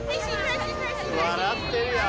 笑ってるよ。